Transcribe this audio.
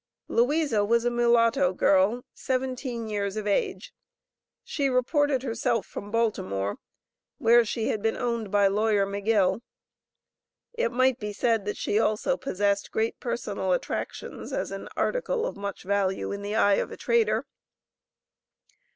Louisa was a mulatto girl, seventeen years of age. She reported herself from Baltimore, where she had been owned by lawyer Magill. It might be said that she also possessed great personal attractions as an "article" of much value in the eye of a trader.